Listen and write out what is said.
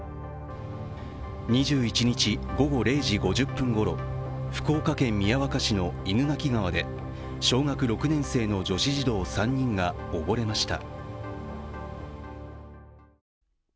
２１日午後０時５０分ごろ、福岡県宮若市の犬鳴川で小学６年生の女子児童３人が溺れました。